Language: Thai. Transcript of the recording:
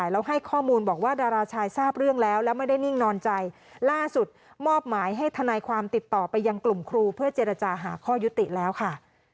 แล้วแล้วไม่ได้นิ่งนอนใจล่าสุดมอบหมายให้ทนายความติดต่อไปยังกลุ่มครูเพื่อเจรจาหาข้อยุติแล้วค่ะ